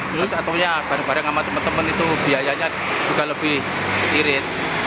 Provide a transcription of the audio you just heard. terus atau ya bareng bareng sama teman teman itu biayanya juga lebih irit